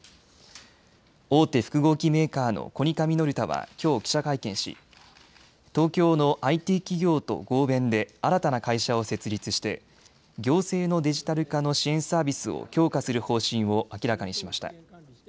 大手複合機メーカーのコニカミノルタはきょう記者会見し東京のＩＴ企業と合弁で新たな会社を設立して行政のデジタル化の新サービスを強化する方針を明らかにしました。